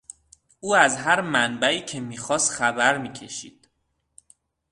او از هر منبعی که میتوانست خبر میکشید.